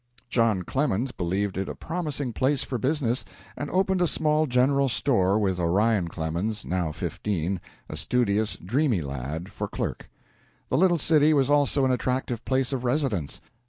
John Clemens believed it a promising place for business, and opened a small general store with Orion Clemens, now fifteen, a studious, dreamy lad, for clerk. The little city was also an attractive place of residence.